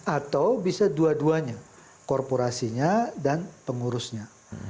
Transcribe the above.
atau bisa dua duanya korporasinya dan pengurusnya